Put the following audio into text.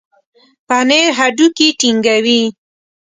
پنېر هډوکي ټينګوي.